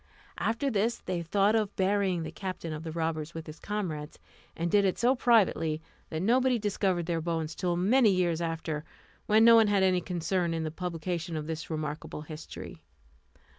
After this they thought of burying the captain of the robbers with his comrades, and did it so privately that nobody discovered their bones till many years after, when no one had any concern in the publication of this remarkable history.